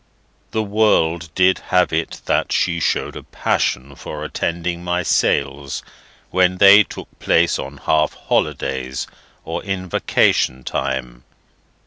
The world did have it that she showed a passion for attending my sales, when they took place on half holidays, or in vacation time.